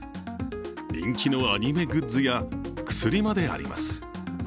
人気のアニメグッズや薬まであります。